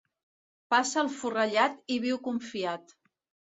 Passa el forrellat i viu confiat.